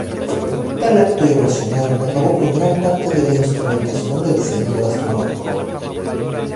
Tal acto irracional acabó con gran parte de la instrumentación del centro astronómico.